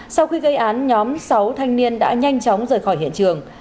sau khi gây án nhóm sáu thanh niên đã nhanh chóng rời khỏi hiện trường